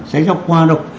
sách giáo khoa đâu